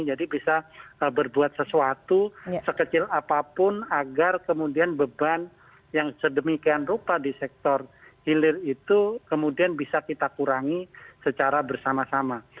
jadi bisa berbuat sesuatu sekecil apapun agar kemudian beban yang sedemikian rupa di sektor hilir itu kemudian bisa kita kurangi secara bersama sama